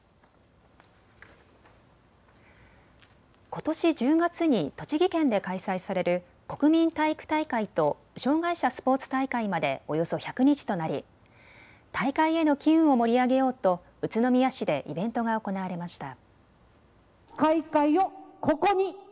ことし１０月に栃木県で開催される国民体育大会と障害者スポーツ大会までおよそ１００日となり大会への機運を盛り上げようと宇都宮市でイベントが行われました。